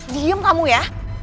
diem kamu ya